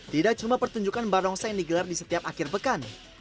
tidak cuma pertunjukan barongsai yang digelar di setiap akhir pekan